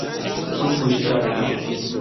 subŝtato